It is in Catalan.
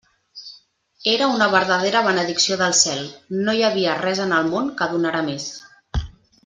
Era una verdadera benedicció del cel; no hi havia res en el món que donara més.